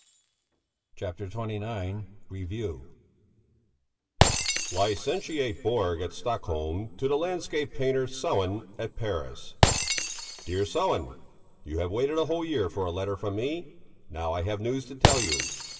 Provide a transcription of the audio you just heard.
CHAPTER XXIX REVUE LICENTIATE BORG at STOCKHOLM to the LANDSCAPE PAINTER SELLÉN at PARIS DEAR SELLÉN, You have waited a whole year for a letter from me; now I have news to tell you.